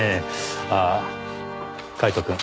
ああカイトくん。